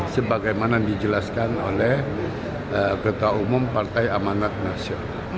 sebagaimana dijelaskan oleh ketua umum partai amanat nasional